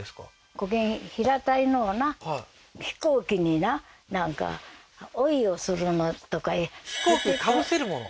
こげん平たいのをな飛行機にななんか覆いをするのとか飛行機にかぶせるもの？